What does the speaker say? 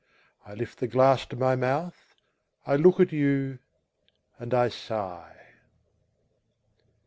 I lift the glass to my mouth, I look at you, and I sigh.